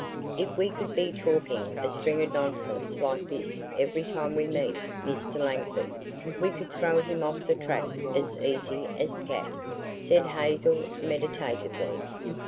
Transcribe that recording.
"If we could be talking a string of nonsense like this every time we meet Mr. Langford, we could throw him off the track as easy as scat," said Hazel meditatively.